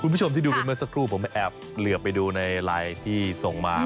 คุณผู้ชมที่ดูกันเมื่อสักครู่ผมแอบเหลือไปดูในไลน์ที่ส่งมา